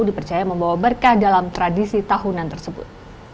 dipercaya membawa berkah dalam tradisi tahunan tersebut